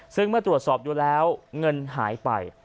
ซึ่งเมื่อตรวจสอบดูแล้วเงินหายไป